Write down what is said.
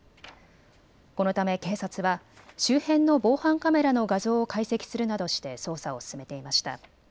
このため警察は周辺の防犯カメラの画像を解析するなどして捜査を進めていました。